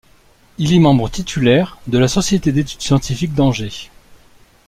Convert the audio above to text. Il est membre titulaire de la Société d'études scientifiques d'Angers.